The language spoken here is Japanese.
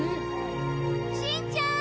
しんちゃん！